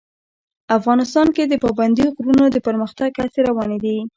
افغانستان کې د پابندي غرونو د پرمختګ هڅې روانې دي.